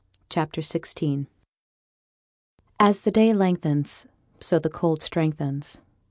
CHAPTER XVI THE ENGAGEMENT 'As the day lengthens so the cold strengthens.'